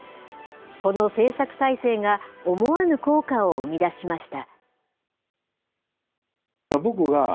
この制作体制が思わぬ効果を生み出しました。